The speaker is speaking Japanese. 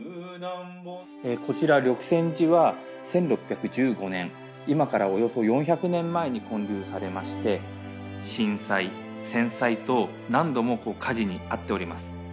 こちら緑泉寺は１６１５年今からおよそ４００年前に建立されまして震災戦災と何度も火事に遭っております。